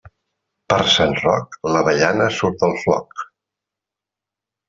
Per Sant Roc, l'avellana surt del floc.